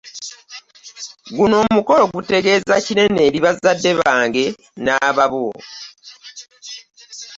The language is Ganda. Guno omukolo gutegeeza kinene eri bazadde bange n'ababbo.